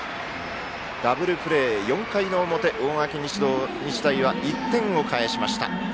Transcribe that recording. ダブルプレー、４回の表大垣日大は１点を返しました。